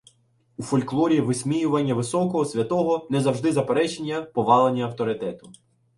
У фольклорі висміювання високого, святого — не завжди заперечення, повалення авторитету.